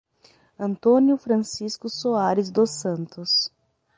Antônio Francisco Soares dos Santos